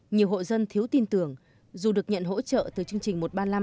nhiều hộ dân thiếu tin tưởng dù được nhận hỗ trợ từ chương trình một trăm ba mươi năm